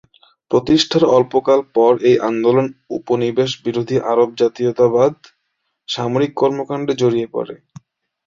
প্রতিষ্ঠার অল্পকাল পর এই আন্দোলন উপনিবেশ বিরোধী আরব জাতীয়তাবাদী সামরিক কর্মকাণ্ডে জড়িয়ে পড়ে।